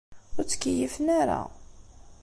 Ur ttkeyyifen ara.